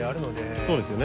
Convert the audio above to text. そうですよね。